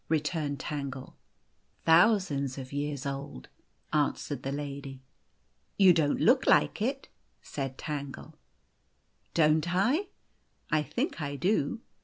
" returned Tangle. " Thousands of years old," answered the lady. " You don't look like it," said Tangle. " Don't I ? I think I do.